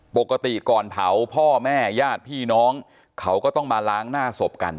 ปกติก่อนเผาพ่อแม่ญาติพี่น้องเขาก็ต้องมาล้างหน้าศพกัน